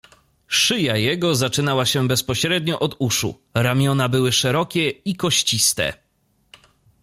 "Szyja jego zaczynała się bezpośrednio od uszu, ramiona były szerokie i kościste."